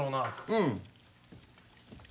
うん。